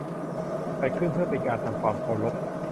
จัดขึ้นเพื่อเป็นการทำความเคารพ